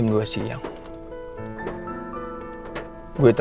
makasih ya mas